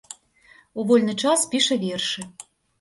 У вольны час піша вершы.